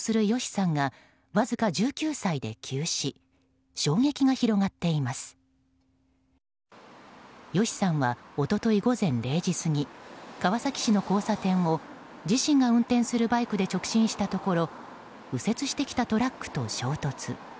ＹＯＳＨＩさんは一昨日午前０時過ぎ川崎市の交差点を自身が運転するバイクで直進したところ右折してきたトラックと衝突。